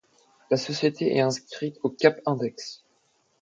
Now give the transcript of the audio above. La société est inscrite au Cap Index.